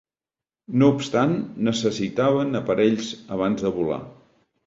No obstant, necessitaven aparells abans de volar.